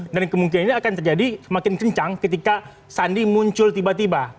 dan kemungkinan ini akan terjadi semakin kencang ketika sandi muncul tiba tiba